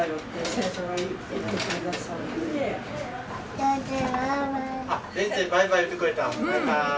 先生バイバイ言ってくれたん？